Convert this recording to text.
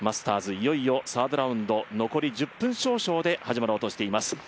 いよいよサードラウンド残り１０分少々で始まろうとしています。